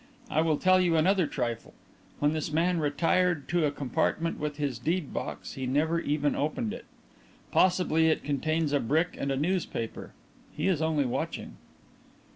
I will tell you another trifle. When this man retired to a compartment with his deed box, he never even opened it. Possibly it contains a brick and a newspaper. He is only watching."